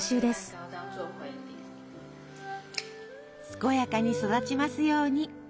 健やかに育ちますように。